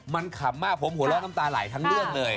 มันขำมากผมหัวเราะน้ำตาไหลทั้งเรื่องเลย